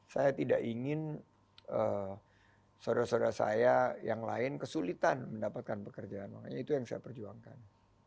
saya tidak ingin saudara saudara saya yang lain kesulitan mendapatkan pekerjaan makanya itu yang saya perjuangkan